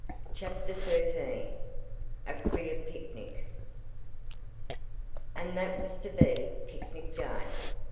CHAPTER XIII A QUEER PICNIC And that was to be picnic day!